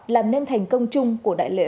làm nên thành công chung của đại lễ